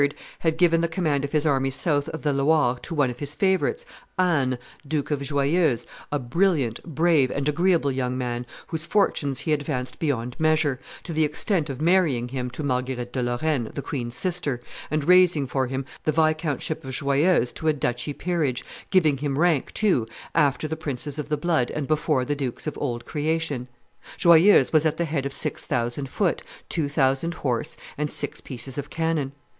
had given the command of his army south of the Loire to one of his favorites, Anne, Duke of Joyeuse, a brilliant, brave, and agreeable young man, whose fortunes he had advanced beyond measure, to the extent of marrying him to Marguerite de Lorraine, the queen's sister, and raising for him the viscountship of Joyeuse to a duchy peerage, giving him rank, too, after the princes of the blood and before the dukes of old creation. Joyeuse was at the head of six thousand foot, two thousand horse, and six pieces of cannon.